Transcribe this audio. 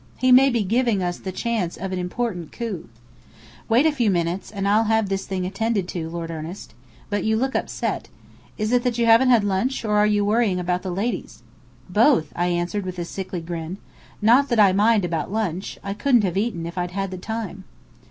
He may be giving us the chance of an important coup. Wait a few minutes, and I'll have this thing attended to, Lord Ernest. But you look upset. Is it that you haven't had lunch, or are you worrying about the ladies?" "Both," I answered with a sickly grin. "Not that I mind about lunch. I couldn't have eaten if I'd had the time."